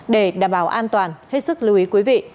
để đảm bảo an toàn hết sức lưu ý quý vị